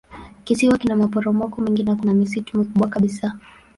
Kisiwa kina maporomoko mengi na kuna misitu mikubwa kabisa.